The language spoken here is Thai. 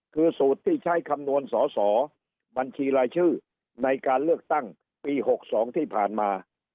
คือสูตรที่ใช้คำนวณสอสอบัญชีรายชื่อในการเลือกตั้งปี๖๒ที่ผ่านมา